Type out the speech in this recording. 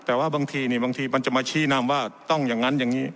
แต่ว่าบางทีบางทีมันจะมาชี้นำว่าต้องอย่างนั้นอย่างนี้